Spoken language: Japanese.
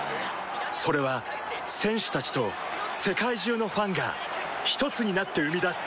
それは選手たちと世界中のファンがひとつになって生み出す